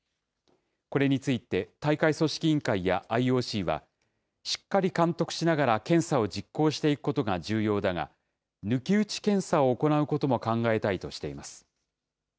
これについて、大会組織委員会やＩＯＣは、しっかり監督しながら検査を実行していくことが重要だが、抜き打ち検査を行うことも考えたいとしています。